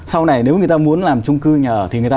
sau này nếu người ta muốn làm trung cư nhà ở thì người ta